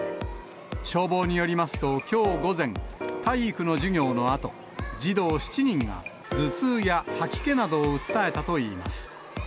消防によりますと、きょう午前、体育の授業のあと、児童７人が頭痛や吐き気などを訴えたといいます。